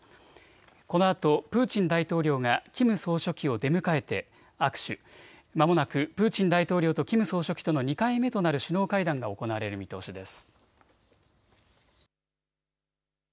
このあとプーチン大統領がキム総書記を出迎えて握手、まもなくプーチン大統領とキム総書記との２回目となる首脳会談が行われる見通しです。